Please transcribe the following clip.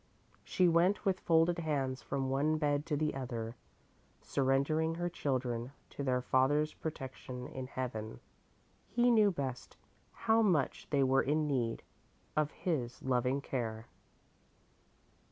She went with folded hands from one bed to the other, surrendering her children to their Father's protection in Heaven. He knew best how much they were in need of His loving care.